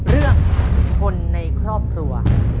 เรื่องคนในครอบครัว